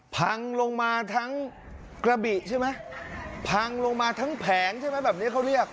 พังลงมาทั้งกระบิใช่ไหมพังลงมาทั้งแผงใช่ไหมแบบนี้เขาเรียก